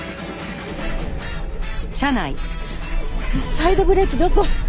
サイドブレーキどこ？